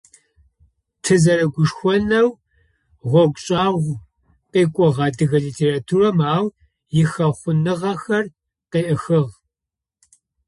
Тызэрэгушхонэу гъогу шӏагъо къыкӏугъ адыгэ литературэм, ау ихэхъоныгъэхэр къеӏыхыгъ.